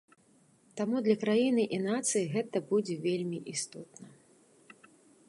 Таму для краіны і нацыі гэта будзе вельмі істотна.